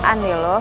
kebiasaan ya lo